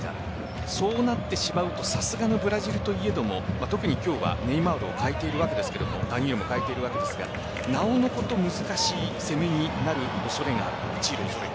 そうなってしまうとさすがのブラジルといえども特に今日はネイマールを欠いているわけですがダニエルも代えていますがなおのこと難しい攻めに陥る恐れがある。